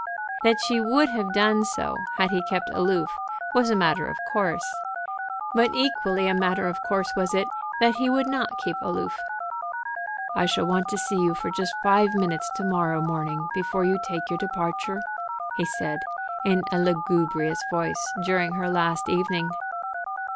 That she would have done so had he kept aloof was a matter of course; but equally a matter of course was it that he would not keep aloof. "I shall want to see you for just five minutes to morrow morning before you take your departure," he said, in a lugubrious voice, during her last evening.